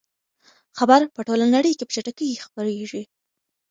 خبر په ټوله نړۍ کې په چټکۍ خپریږي.